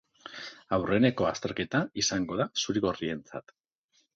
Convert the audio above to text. Aurreneko azterketa izango da zuri-gorrientzat.